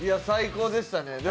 最高でしたね。